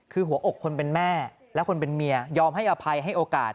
คือหัวอกคนเป็นแม่และคนเป็นเมียยอมให้อภัยให้โอกาส